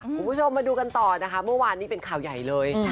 คุณผู้ชมมาดูกันต่อนะคะเมื่อวานนี้เป็นข่าวใหญ่เลย